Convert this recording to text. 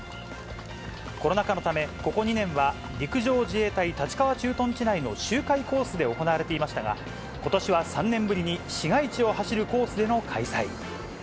コロナ禍のため、ここ２年は陸上自衛隊立川駐屯地内の周回コースで行われていましたが、ことしは３年ぶりに市街地を走るコースでの開催。